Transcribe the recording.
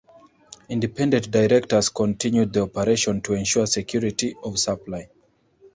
Independent directors continued the operation to ensure security of supply.